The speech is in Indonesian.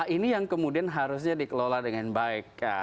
ini yang kemudian harusnya dikelola dengan baik